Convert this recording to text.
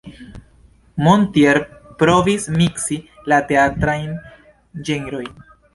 Mortier provis miksi la teatrajn ĝenrojn.